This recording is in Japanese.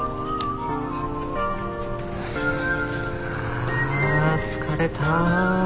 あ疲れた。